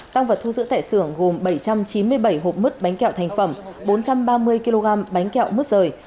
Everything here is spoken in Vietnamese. tăng vật thu giữ tại xưởng gồm bảy trăm chín mươi bảy hộp mứt bánh kẹo thành phẩm bốn trăm ba mươi kg bánh kẹo mứt rời